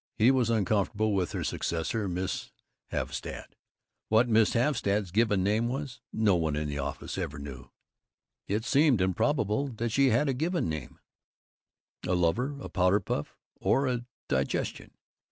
He was uncomfortable with her successor, Miss Havstad. What Miss Havstad's given name was, no one in the office ever knew. It seemed improbable that she had a given name, a lover, a powder puff, or a digestion.